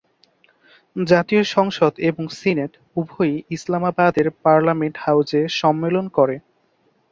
জাতীয় সংসদ এবং সিনেট উভয়ই ইসলামাবাদের পার্লামেন্ট হাউজে সম্মেলন করে।